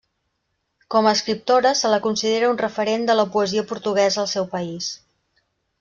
Com a escriptora se la considera un referent de la poesia portuguesa al seu país.